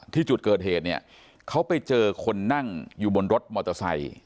ที่จุดเกิดเหตุเนี่ยเขาไปเจอคนนั่งอยู่บนรถมอเตอร์ไซค์